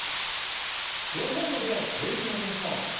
両方の腕を軽く曲げましょう。